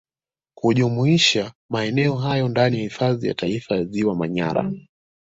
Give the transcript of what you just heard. kujumuisha maeneo hayo ndani ya Hifadhi ya Taifa Ziwa Manyara